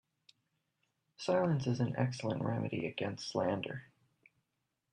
Silence is an excellent remedy against slander.